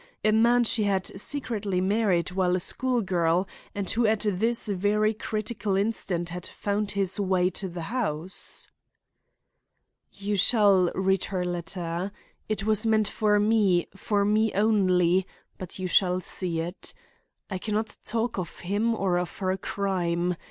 A man she had secretly married while a school girl and who at this very critical instant had found his way to the house." "You shall read her letter. It was meant for me, for me only—but you shall see it. I can not talk of him or of her crime.